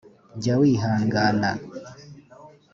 jya wihangana